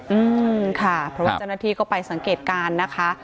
อืมค่ะเพราะว่าเจ้าหน้าที่ก็ไปสังเกตการณ์นะคะ